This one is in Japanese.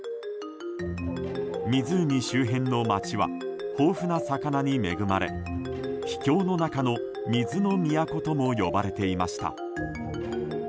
湖周辺の町は豊富な魚に恵まれ秘境の中の水の都とも呼ばれていました。